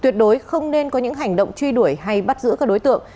tuyệt đối không nên có những hành động truy đuổi hay bắt giữ các đối tượng